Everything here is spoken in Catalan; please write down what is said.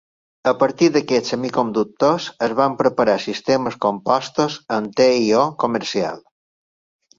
A partir d'aquests semiconductors, es van preparar sistemes compostos amb TiO comercial.